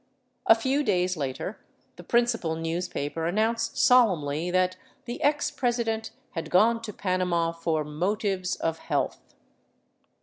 A few days later the principal newspaper announced solemnly that the ex president had gone to Panama " for motives of health."